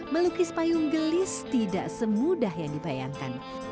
melukis payung gelis tidak semudah yang dibayangkan